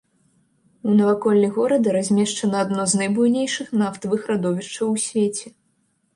У наваколлі горада размешчана адно з найбуйнейшых нафтавых радовішчаў у свеце.